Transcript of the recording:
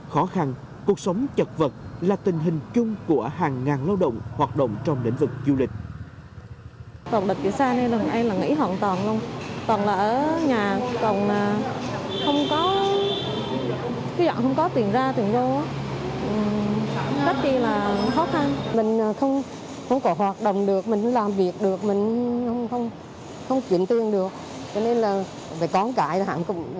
khó khăn cuộc sống chật vật là tình hình chung của hàng ngàn lao động hoạt động trong lĩnh vực du lịch